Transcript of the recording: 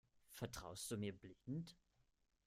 Vertraust du mir blind?